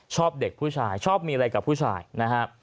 ชอบเด็กผู้ชายชอบมีอะไรกับผู้ชายนะฮะ